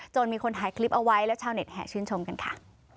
มีคนถ่ายคลิปเอาไว้แล้วชาวเน็ตแห่ชื่นชมกันค่ะ